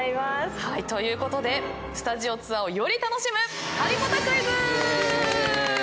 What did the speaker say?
ということでスタジオツアーをより楽しむハリポタクイズ！